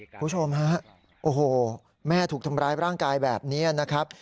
คุณผู้ชมฮะโอ้โหแม่ถูกทำร้ายร่างกายแบบนี้นะครับ